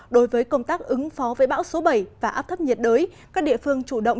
đối với công tác ứng phó với bão số bảy và áp thấp nhiệt đới các địa phương chủ động